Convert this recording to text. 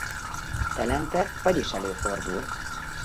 Telente fagy is előfordul.